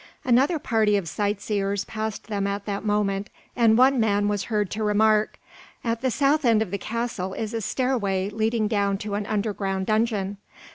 Another party of sight seers passed them at that moment, and one man was heard to remark: "At the south end of the castle is a stairway leading down to an underground dungeon.